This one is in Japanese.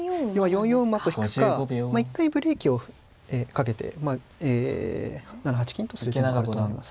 ４四馬と引くか一回ブレーキをかけて７八金とする手もあると思いますね。